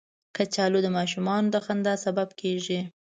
کچالو د ماشومانو د خندا سبب کېږي